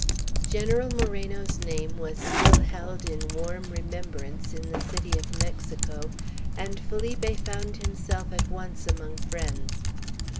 General Moreno's name was still held in warm remembrance in the city of Mexico, and Felipe found himself at once among friends.